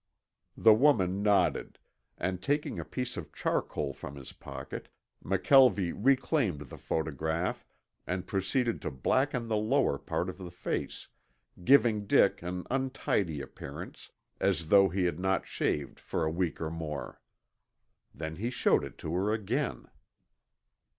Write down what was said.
The woman nodded, and taking a piece of charcoal from his pocket McKelvie reclaimed the photograph and proceeded to blacken the lower part of the face, giving Dick an untidy appearance, as though he had not shaved for a week or more. Then he showed it to her again.